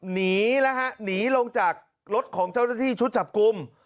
หนีแล้วฮะหนีลงจากรถของเจ้าหน้าที่ชุดจับกลุ่ม